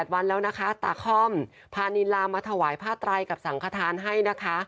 วันแล้วนะคะตาค่อมพานิลามาถวายผ้าไตรกับสังขทานให้นะคะ